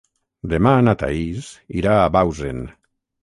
Demà na Thaís irà a Bausen.